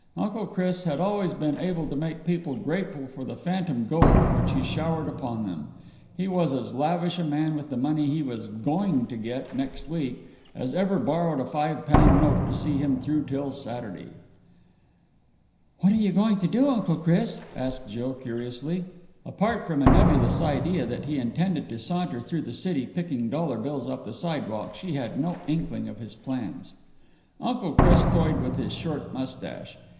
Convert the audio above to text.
Uncle Chris had always been able to make people grateful for the phantom gold which he showered upon them. He was as lavish a man with the money he was going to get next week as ever borrowed a five pound note to see him through till Saturday. "What are you going to do, Uncle Chris?" asked Jill curiously. Apart from a nebulous idea that he intended to saunter through the city picking dollar bills off the sidewalk, she had no inkling of his plans. Uncle Chris toyed with his short moustache.